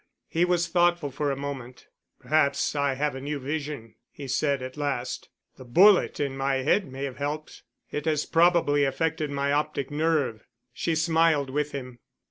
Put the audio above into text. He was thoughtful for a moment. "Perhaps I have a new vision," he said at last. "The bullet in my head may have helped. It has probably affected my optic nerve." She smiled with him.